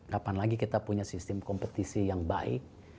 kapan lagi kita punya sistem kompetisi yang baik